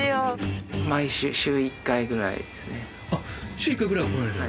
週１回ぐらいは来られている。